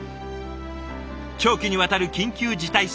長期にわたる緊急事態宣言。